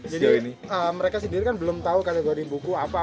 jadi mereka sendiri kan belum tahu kategori buku apa